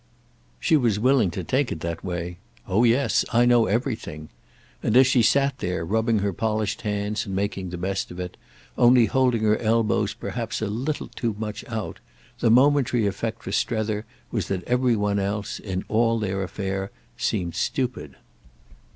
She was willing to take it that way. "Oh yes, I know everything." And as she sat there rubbing her polished hands and making the best of it—only holding her elbows perhaps a little too much out—the momentary effect for Strether was that every one else, in all their affair, seemed stupid.